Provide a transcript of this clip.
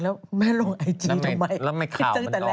แล้วแม่ลงไอจีทำไม